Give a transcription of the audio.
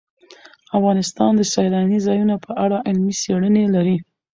افغانستان د سیلانی ځایونه په اړه علمي څېړنې لري.